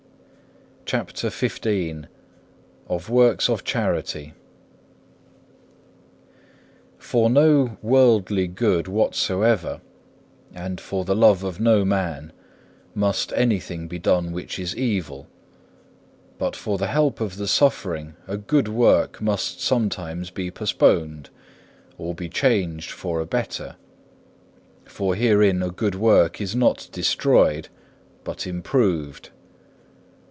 CHAPTER XV Of works of charity For no worldly good whatsoever, and for the love of no man, must anything be done which is evil, but for the help of the suffering a good work must sometimes be postponed, or be changed for a better; for herein a good work is not destroyed, but improved.